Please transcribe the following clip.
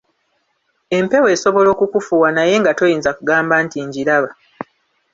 Empewo esobola okukufuuwa naye nga toyinza gamba nti ngiraba.